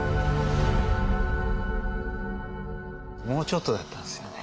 もうちょっとだったんですよね。